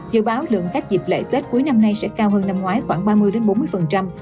dự báo lượng khách dịp lễ tết cuối năm nay sẽ cao hơn năm ngoái khoảng ba mươi đến bốn mươi